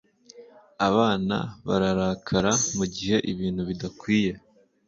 Abana bararakara mugihe ibintu bidakwiye